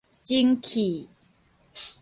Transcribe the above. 蒸氣